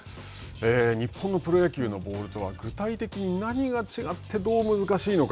日本のプロ野球のボールとは具体的に何が違って、どう難しいのか。